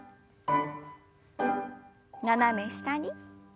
斜め下に。